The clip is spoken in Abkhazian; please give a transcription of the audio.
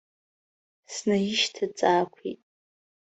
Снаишьҭаҵаақәеит.